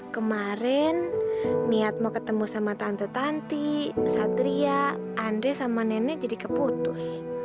kemarin niat mau ketemu sama tante tante satria andre sama nenek jadi keputus